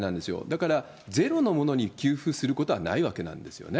だから、ゼロのものに給付することはないわけなんですよね。